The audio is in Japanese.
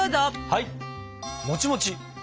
はい！